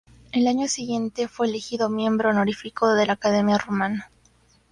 El año siguiente fue elegido miembro honorífico de la Academia Rumana.